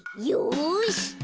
よし。